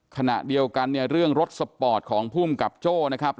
ขณะเดียวกันเนี่ยเรื่องรถสปอร์ตของภูมิกับโจ้นะครับ